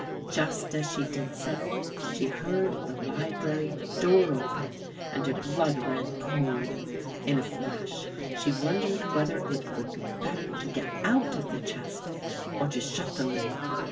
Just as she did so, she heard the library door open and her blood ran cold. In a flash she wondered whether it would be better to get out of the chest or to shut the lid.